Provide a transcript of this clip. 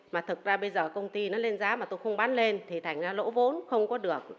mà thực ra bây giờ công ty nó lên giá mà tôi không bán lên thì thành ra lỗ vốn không có được